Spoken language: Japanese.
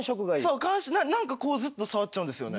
そう何かこうずっと触っちゃうんですよね。